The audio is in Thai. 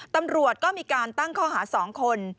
ตำรวจก็มีการตั้งข้อหา๒คน